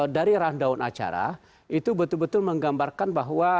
dari rundown acara itu betul betul menggambarkan bahwa